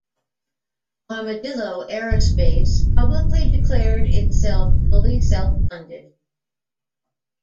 Armadillo Aerospace publicly declared itself fully self-funded.